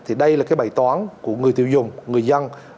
thì đây là cái bài toán của người tiêu dùng người dân